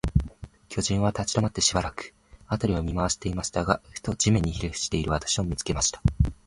巨人は立ちどまって、しばらく、あたりを見まわしていましたが、ふと、地面にひれふしている私を、見つけました。